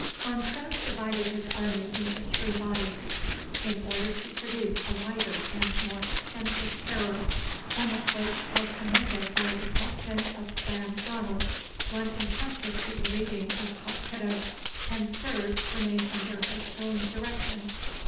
Montrose divided his army into three bodies, in order to produce a wider and more extensive terror, one of which was commanded by the Captain of Clan Ranald, one intrusted to the leading of Colkitto, and the third remained under his own direction.